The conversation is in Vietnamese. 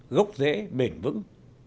gốc dễ bền vững